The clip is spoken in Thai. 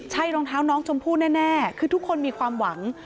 ใช่รองเท้าน้องชมพู่แน่คือทุกคนมีความหวัง